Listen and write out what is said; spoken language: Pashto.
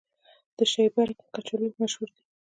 د شیبر کچالو مشهور دي